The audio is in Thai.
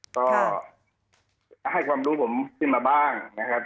ก็ให้ความรู้ผมขึ้นมาบ้างนะครับ